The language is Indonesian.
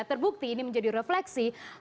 terbukti ini menjadi refleksi